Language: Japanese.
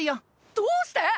どうして！？